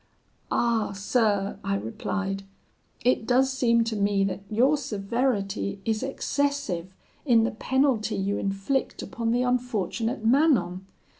"'Ah, sir,' I replied, 'it does seem to me that your severity is excessive in the penalty you inflict upon the unfortunate Manon.